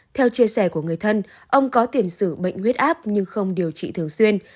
theo chia sẻ của người thân ông có tiền sử bệnh huyết áp nhưng không điều trị thường xuyên